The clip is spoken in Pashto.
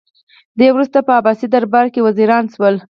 دوی وروسته په عباسي دربار کې وزیران شول